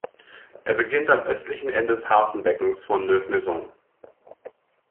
Er beginnt am östlichen Ende des Hafenbeckens von Neuves-Maisons.